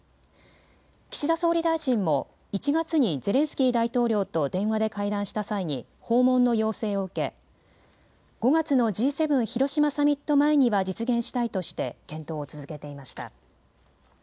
岸田総理大臣も１月にゼレンスキー大統領と電話で会談した際に訪問の要請を受け５月のＧ７広島サミット前には実現したいとして検討を続けていました。